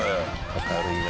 明るいな。